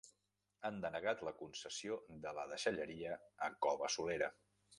Han denegat la concessió de la deixalleria a Cova Solera.